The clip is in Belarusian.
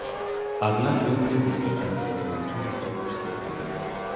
Аднак ён не выключыў такой магчымасці ў перспектыве.